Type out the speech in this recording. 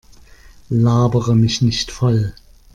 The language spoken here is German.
Labere mich nicht voll!